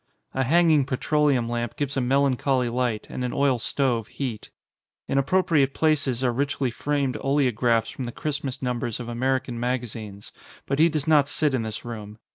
A hanging petroleum lamp gives a melancholy light, and an oil stove heat. In appropriate places are richly framed oleographs from the Christmas numbers of American magazines. But he does not sit in this room.